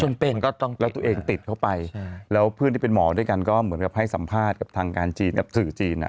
ก็ต้องแล้วตัวเองติดเข้าไปแล้วเพื่อนที่เป็นหมอด้วยกันก็เหมือนกับให้สัมภาษณ์กับทางการจีนกับสื่อจีนอ่ะ